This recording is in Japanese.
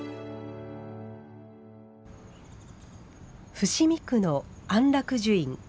伏見区の安楽寿院。